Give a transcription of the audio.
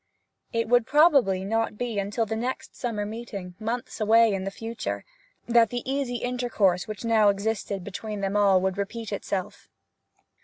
It would probably be not until the next summer meeting, months away in the future, that the easy intercourse which now existed between them all would repeat itself.